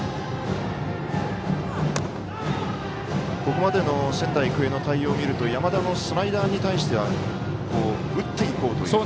ここまでの仙台育英の対応を見ると山田のスライダーに対しては打っていこうという。